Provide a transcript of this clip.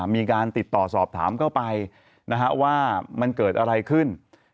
มีการติดต่อสอบถามเข้าไปว่ามันเกิดอะไรขึ้น